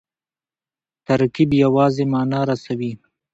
ترکیب یوازي مانا رسوي.